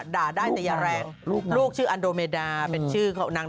ด่าได้แต่อย่าแรง